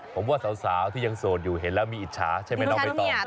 ผมว่าสาวที่ยังโสดอยู่เห็นแล้วมีอิจฉาใช่ไหมน้องใบตอง